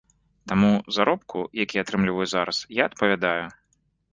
Таму заробку, які атрымліваю зараз, я адпавядаю.